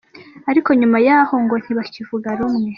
Ariko nyuma y'aho ngo ntibakivuga rumwe.